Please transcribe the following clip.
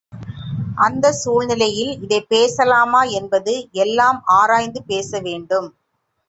அந்தச் சூழ்நிலையில் இதைப் பேசலாமா என்பது எல்லாம் ஆராய்ந்து பேச வேண்டும்.